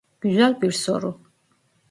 Güzel bir soru.